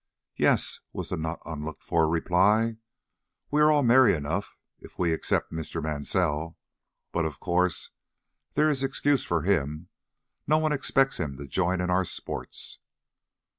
"Yes," was the not unlooked for reply. "We are all merry enough if we except Mr. Mansell. But, of course, there is excuse for him. No one expects him to join in our sports."